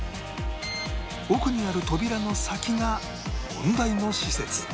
奥にある扉の先が問題の施設